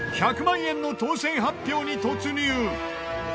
１００万円の当せん発表に突入！